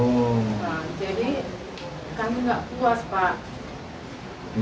irjen perdisambu itu ada adu tembak